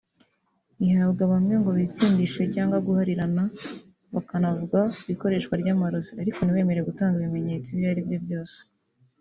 ihabwa bamwe ngo bitsindishe cyangwa guharirana bakanavuga ku ikoreshwa ry’amarozi ariko ntibemere gutanga ibimenyetso ibyo ari byose